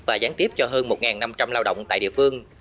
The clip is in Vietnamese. và gián tiếp cho hơn một năm trăm linh lao động tại địa phương